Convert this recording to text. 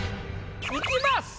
いきます。